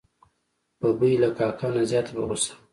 ببۍ له کاکا نه زیاته په غوسه وه.